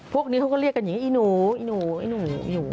พวกนี้เขาก็เรียกกันอย่างงี้อีหนู